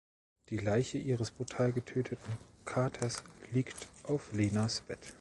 Die Leiche ihres brutal getöteten Katers liegt auf Lenas Bett.